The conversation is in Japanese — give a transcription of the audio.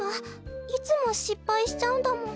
いつもしっぱいしちゃうんだもん。